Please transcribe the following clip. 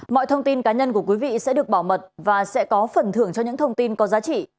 mọi thông tin cá nhân của quý vị sẽ được bảo mật và sẽ có phần thưởng cho những thông tin có giá trị